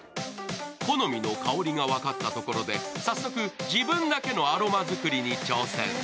好みの香りが分かったところで早速、自分だけのアロマ作りに挑戦。